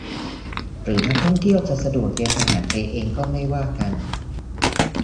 หรือนักท่องเที่ยวจะสะดวกเตรียมอาหารไปเองก็ไม่ว่ากัน